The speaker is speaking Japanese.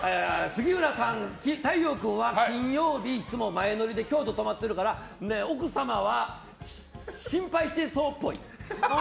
太陽君は金曜日、いつも前乗りで京都に泊まってるから、奥様は心配してそうっぽい。